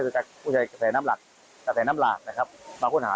คือการผู้ใช้กระแสน้ำหลักมาควบหา